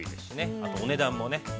あとお値段もね。